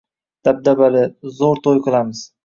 Dabdabali, zo`r to`y qilamiz